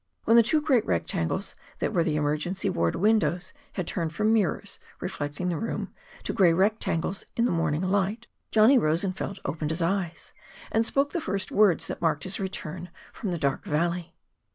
When the two great rectangles that were the emergency ward windows had turned from mirrors reflecting the room to gray rectangles in the morning light; Johnny Rosenfeld opened his eyes and spoke the first words that marked his return from the dark valley.